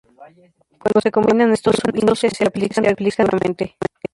Cuando se combinan estos subíndices se aplican recursivamente.